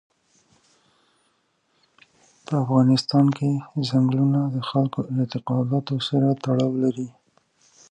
په افغانستان کې ځنګلونه د خلکو د اعتقاداتو سره تړاو لري.